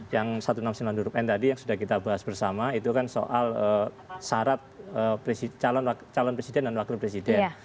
yang satu ratus enam puluh sembilan huruf n tadi yang sudah kita bahas bersama itu kan soal syarat calon presiden dan wakil presiden